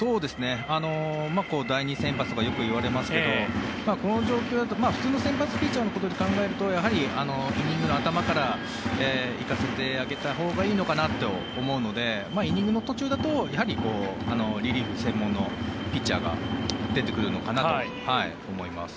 第２先発とかよくいわれますけど普通の先発ピッチャーで考えるとイニングの頭から行かせてあげたほうがいいのかなと思うのでイニングの途中だとやはりリリーフ専門のピッチャーが出てくるのかなと思います。